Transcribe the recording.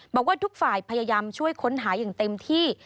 บอกว่าทุกฝ่ายพยายามช่วยค้นหาอย่างเต็มที่